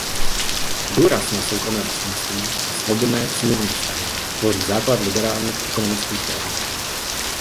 Důraz na soukromé vlastnictví a svobodné smluvní vztahy tvoří základ liberálních ekonomických teorií.